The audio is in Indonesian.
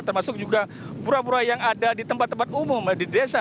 termasuk juga pura pura yang ada di tempat tempat umum di desa